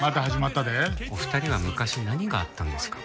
お二人は昔何があったんですか？